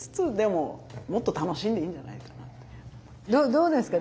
どうですか？